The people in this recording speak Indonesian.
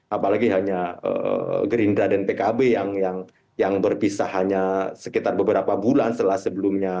apalagi hanya gerindra dan pkb yang berpisah hanya sekitar beberapa bulan setelah sebelumnya